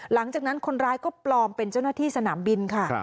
หลังจากนั้นคนร้ายก็ปลอมเป็นเจ้าหน้าที่สนามบินค่ะ